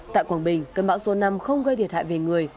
tại quảng bình cơn bão số năm không gây thiệt hại về người